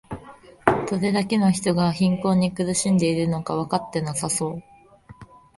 どれだけの人が貧困に苦しんでいるのかわかってなさそう